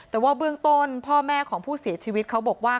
แต่ว่าเบื้องต้นพ่อแม่ของผู้เสียชีวิตเขาบอกว่า